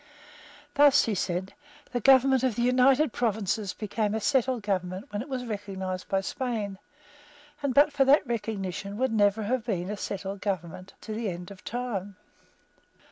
Thus, he said, the government of the United Provinces became a settled government when it was recognised by Spain, and, but for that recognition, would never have been a settled government to the end of time.